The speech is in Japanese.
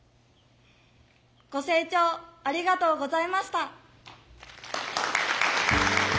ご清聴ありがとうございました。